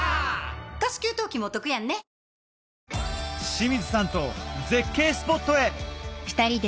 清水さんと絶景スポットへ！